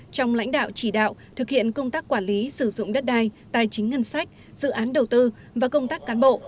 trong lãnh đạo chỉ đạo thực hiện công tác quản lý sử dụng đất đai tài chính ngân sách dự án đầu tư và công tác cán bộ